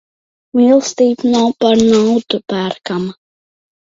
Mīlestība nav par naudu pērkama.